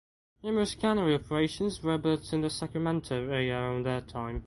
Numerous cannery operations were built in the Sacramento area around that time.